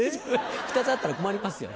２つあったら困りますよ